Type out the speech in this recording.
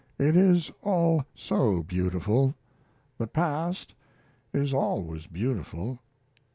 It is all so beautiful the past is always beautiful."